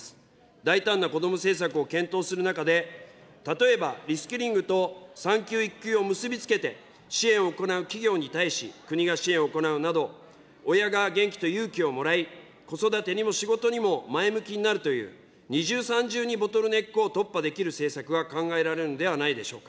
大胆なこども政策を検討する中で、例えば、リスキリングと産休・育休を結び付けて、支援を行う企業に対し、国が支援を行うなど、親が元気と勇気をもらい、子育てにも仕事にも前向きになるという、二重、三重にボトルネックを突破できる政策が考えられるのではないでしょうか。